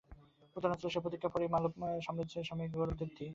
উত্তরাঞ্চলে সে প্রতিক্রিয়ার পরেই মালব সাম্রাজ্যের সাময়িক গৌরবদীপ্তি দেখা দিয়াছিল।